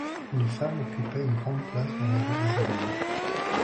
Les femmes occupaient une grande place dans la vie du jeune homme.